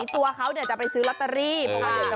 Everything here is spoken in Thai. ถ้าใครจะว่าไปก็ยินดีด้วย